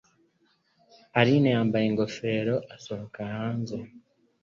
Aline yambaye ingofero asohoka hanze.